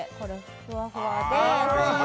ふわふわで。